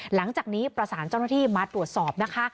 หลังจากนี้ประสานเจ้าหน้าที่มาตรวจสอบนะคะ